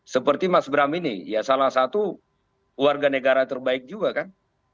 seperti mas bram ini ya salah satu warga negara terbaik juga kan